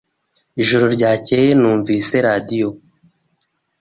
Ijoro ryakeye, numvise radio.